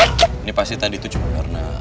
ini pasti tadi itu cuma warna